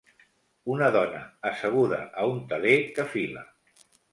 Una dona asseguda a un teler que fila.